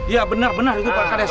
iya benar benar itu pak kades